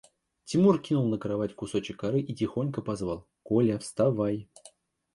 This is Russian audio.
Тимур кинул на кровать кусочек коры и тихонько позвал: – Коля, вставай!